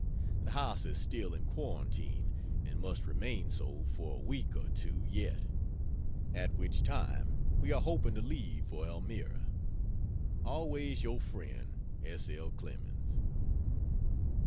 The house is still in quarantine and must remain so for a week or two yet at which time we are hoping to leave for Elmira. Always your friend S. L. CLEMENS.